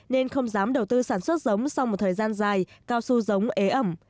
nên không dám đầu tư sản xuất giống sau một thời gian dài cao su giống ế ẩm